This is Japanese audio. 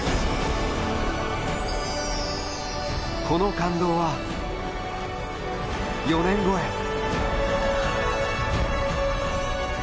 この感動は、４年後へ。